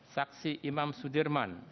saksi imam sudirman